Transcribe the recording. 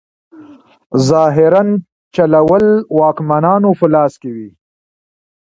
ظاهراً چلول واکمنانو لاس کې وي.